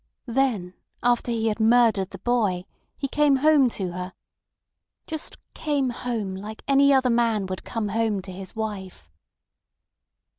Then after he had murdered the boy he came home to her. Just came home like any other man would come home to his wife.